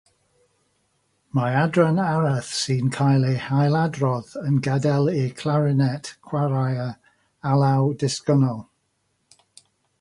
Mae adran arall sy'n cael ei hailadrodd yn gadel i'r clarinét chwarae'r alaw ddisgynnol.